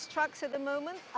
truk ini saat ini